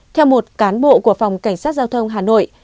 theo một cán bộ của phòng cảnh sát giao thông hà nội